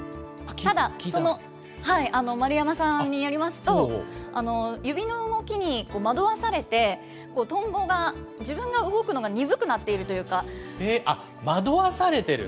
ただ、丸山さんによりますと、指の動きに惑わされて、トンボが、自分が動くのが鈍くなっているとあっ、惑わされてる？